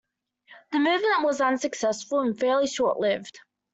The movement was unsuccessful and fairly short-lived.